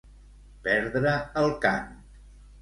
Perdre el cant.